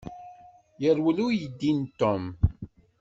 Yerwel uydi n Tom.